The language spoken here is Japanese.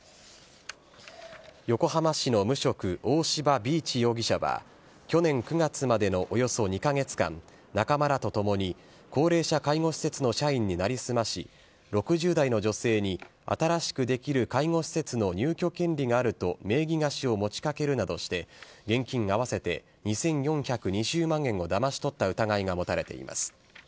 横浜市の無職、大柴飛一容疑者は去年９月までのおよそ２か月間、仲間らとともに高齢者介護施設の社員に成り済まし、６０代の女性に新しくできる介護施設の入居権利があると、名義貸しを持ちかけるなどして、現金合わせて２４２０万円をだまし取った疑いが持たれています。